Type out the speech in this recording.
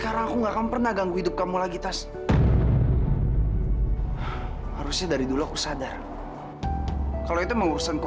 rasa ini tiba tiba ada